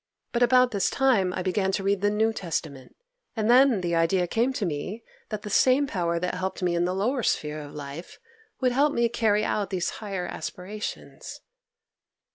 But about this time I began to read the New Testament, and then the idea came to me that the same Power that helped me in the lower sphere of life would help me carry out these higher aspirations.